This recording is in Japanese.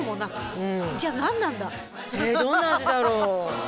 えどんな味だろう。